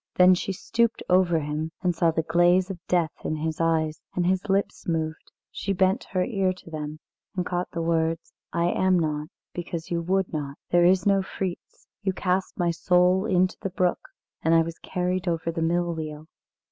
Then she stooped over him, and saw the glaze of death in his eyes, and his lips moved. She bent her ear to them and caught the words: "I am not, because you would not. There is no Fritz; you cast my soul into the brook and I was carried over the mill wheel."